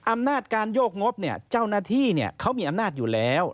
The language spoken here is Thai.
อำนาจการโยกงบเจ้าหน้าที่เขามีอำนาจอยู่แล้ว